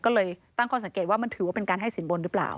ก็เลยตั้งข้อสังเกตว่ามันถือว่าเป็นการให้สินบนหรือเปล่า